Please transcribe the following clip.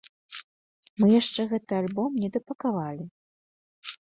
Мы яшчэ гэты альбом недапакавалі.